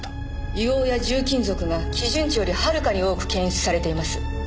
硫黄や重金属が基準値よりはるかに多く検出されています。